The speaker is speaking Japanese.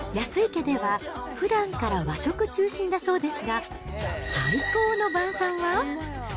家ではふだんから和食中心だそうですが、最高の晩さんは？